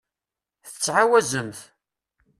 Tettɛawazemt?